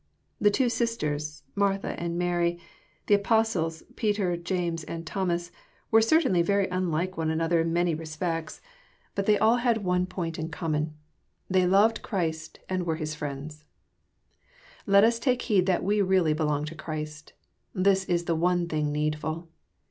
The two sisters Martha and Mary, the apostles Peter and John and Thomas, were certainly very unlike one another in many respects. Bnfe 246 EXPOsrroEr thoughts. tbey had all one point in common : they loved Christ, and were His friends. Let us take heed that we really belong to Christ. This is the one thing needful.